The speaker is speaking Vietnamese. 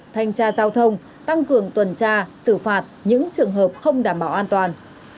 thanh tra giao thông tăng cường tuần tra xử phạt những trường hợp không đảm bảo an toàn